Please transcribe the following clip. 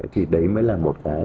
thì đấy mới là một cái